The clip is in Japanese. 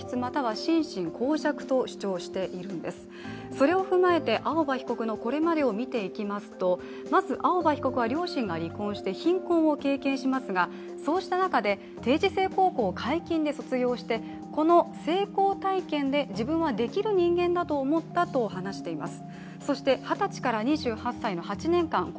それを踏まえて、青葉被告のこれまでを見ていきますとまず青葉被告は両親が離婚し貧困を経験しますがそうした中で定時制高校を皆勤で卒業してこの成功体験で、自分はできる人間だと思ったと話しています。